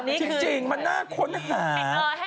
มันมาน่าคนหาก